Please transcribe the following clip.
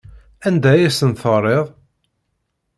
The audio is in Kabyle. Anda ay asen-teɣriḍ?